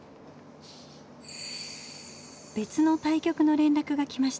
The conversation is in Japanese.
別の対局の連絡が来ました。